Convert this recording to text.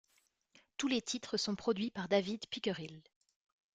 Tous les titres sont produits par David Pickerill.